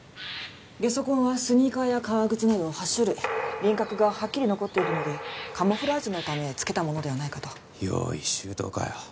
げそ痕はスニーカーや革靴など８種類輪郭がはっきり残っているのでカムフラージュのためつけたものではないかと用意周到かよ